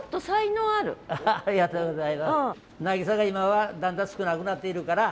なぎさが今はだんだん少なくなっているから。